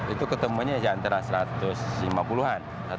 itu ketemunya ya antara satu ratus lima puluh an